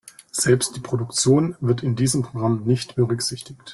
Selbst die Produktion wird in diesem Programm nicht berücksichtigt.